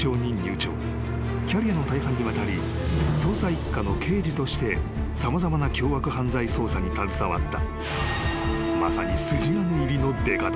［キャリアの大半にわたり捜査１課の刑事として様々な凶悪犯罪捜査に携わったまさに］